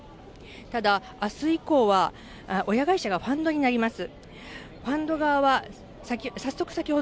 ただ、あす以降は親会社がファンドになります。